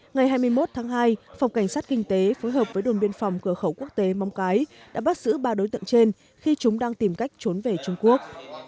ngày hai mươi một tháng hai phòng cảnh sát kinh tế phối hợp với đồn biên phòng cửa khẩu quốc tế móng cái đã bắt giữ ba đối tượng trên khi chúng đang tìm cách trốn về trung quốc